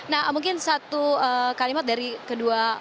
nah mungkin satu kalimat dari kedua